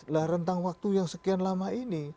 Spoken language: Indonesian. lah rentang waktu yang sekian lama ini